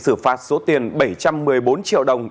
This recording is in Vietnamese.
xử phạt số tiền bảy trăm một mươi bốn triệu đồng